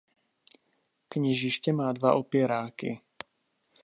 Kněžiště má dva opěráky.